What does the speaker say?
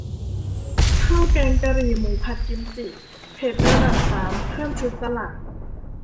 ข้าวแกงกะหรี่หมูผัดกิมจิ เผ็ดระดับสาม เพิ่มชุดสลัด